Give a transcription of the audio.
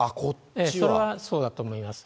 それはそうだと思います。